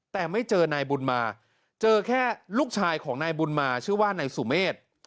แต่ไม่เจอนายบุญมาเจอแค่ลูกชายของนายบุญมาชื่อว่านายสุเมฆ